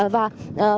vâng chào anh